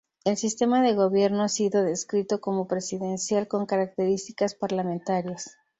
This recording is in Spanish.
El sistema de gobierno ha sido descrito como "presidencial con características parlamentarias.